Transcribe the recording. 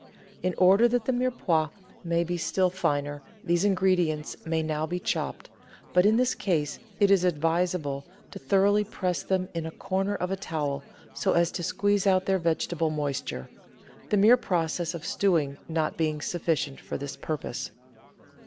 In order that the Mirepoix may be still finer, these ingredients may now be chopped, but in this case it is advisable to tho roughly press them in a corner of a towel, so as to squeeze out their vegetable moisture, the mere process of stewing not being sufficient for this purpose.